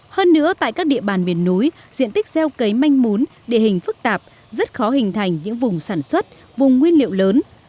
hơn nữa tại các địa bàn miền núi diện tích gieo cấy manh mún địa hình phức tạp rất khó hình thành những vùng sản xuất vùng nguyên liệu lớn